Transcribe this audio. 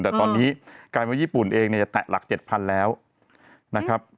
แต่ตอนนี้กลายว่าญี่ปุ่นเองเนี่ยจะแตะหลัก๗๐๐แล้วนะครับ